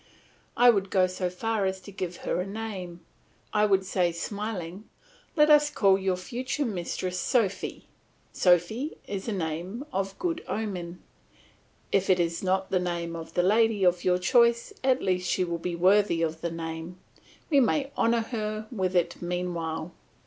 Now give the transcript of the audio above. I would go so far as to give her a name; I would say, smiling. Let us call your future mistress Sophy; Sophy is a name of good omen; if it is not the name of the lady of your choice at least she will be worthy of the name; we may honour her with it meanwhile.